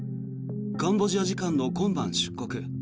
カンボジア時間の今晩出国。